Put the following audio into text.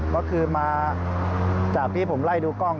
ก็คือมาจากที่ผมไล่ดูกล้อง